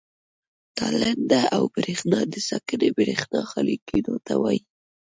تالنده او برېښنا د ساکنې برېښنا خالي کېدو ته وایي.